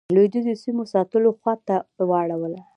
لوېدیځو سیمو ساتلو خواته واړوله.